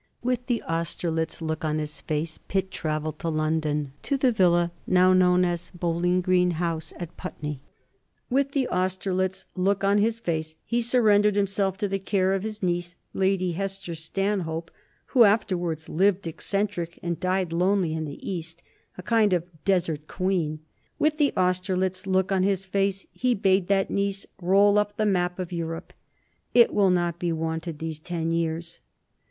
With the Austerlitz look on his face, Pitt travelled to London, to the villa now known as Bowling Green House at Putney. With the Austerlitz look on his face he surrendered himself to the care of his niece, Lady Hester Stanhope, who afterwards lived eccentric and died lonely in the East, a kind of desert queen. With the Austerlitz look on his face he bade that niece roll up the map of Europe: "It will not be wanted these ten years."